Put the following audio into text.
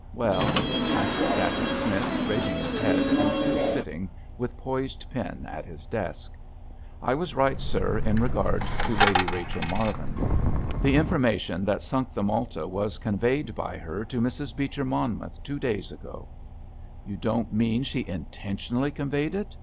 "Well?" asked Dacent Smith, raising his head and still sitting with poised pen at his desk. "I was right, sir, in regard to Lady Rachel Marvin. The information that sunk the Malta was conveyed by her to Mrs. Beecher Monmouth two days ago." "You don't mean she intentionally conveyed it?"